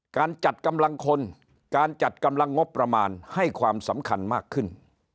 การจัดกำลังคนการจัดกำลังงบประมาณให้ความสำคัญมากขึ้น